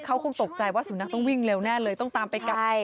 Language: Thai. เขาคงตกใจว่าสุนัขต้องวิ่งเร็วแน่เลยต้องตามไปกัด